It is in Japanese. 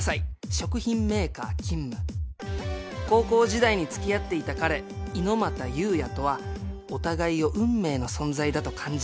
食品メーカー勤務高校時代に付き合っていた彼猪俣悠也とはお互いを運命の存在だと感じ